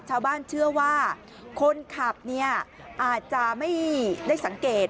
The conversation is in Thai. ชาวบ้านเชื่อว่าคนขับเนี่ยอาจจะไม่ได้สังเกต